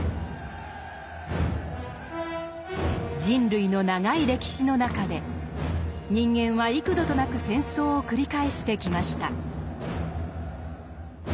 人類の長い歴史の中で人間は幾度となく戦争を繰り返してきました。